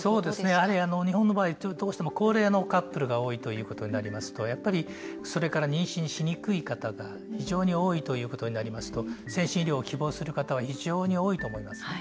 やはり日本の場合どうしても高齢のカップルが多いということになりますとやっぱり、それから妊娠しにくい方が非常に多いということになりますと先進医療を希望する方は非常に多いと思います。